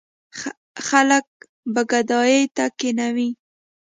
خلک به ګدايۍ ته کېنوي.